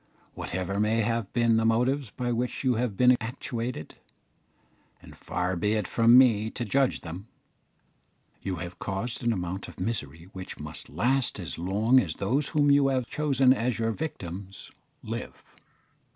Whatever may have been the motives by which you have been actuated and far be it from me to judge them you have caused an amount of misery which must last as long as those whom you have chosen as your victims live."